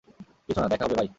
কিছু না, দেখা হবে বাই।